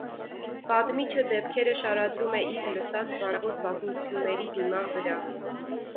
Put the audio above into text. Պատմիչը դեպքերը շարադրում է իր լսած բանավոր պատմությունների հիման վրա։